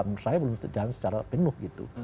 menurut saya belum berjalan secara penuh gitu